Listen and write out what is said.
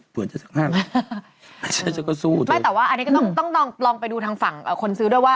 ไม่แต่ว่าอันนี้ก็ต้องลองไปดูทางฝั่งคนซื้อเลยว่า